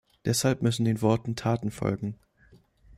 Deshalb müssen den Worten Taten folgen.